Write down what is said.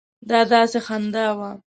دا داسې خندا وه.